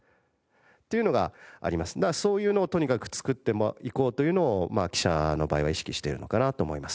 だからそういうのをとにかく作っていこうというのを記者の場合は意識してるのかなと思います。